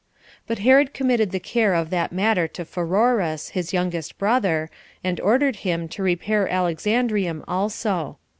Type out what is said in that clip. But Herod committed the care of that matter to Pheroras, his youngest brother, and ordered him to repair Alexandrium also.